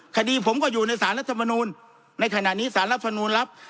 คดีผมก็อยู่ในสารรัฐมนูลในขณะนี้สารรัฐมนูลรับ